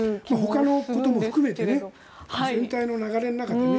ほかのことも含めて全体の流れの中でね。